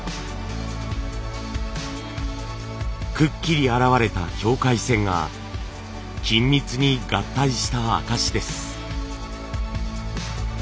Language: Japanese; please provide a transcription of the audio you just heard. くっきり現れた境界線が緊密に合体した証しです。